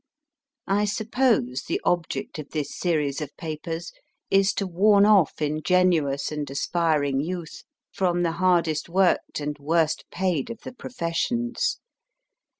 I suppose the object of this series of papers is to warn off ingenuous and aspiring youth from the hardest worked and worst paid of the profes sions.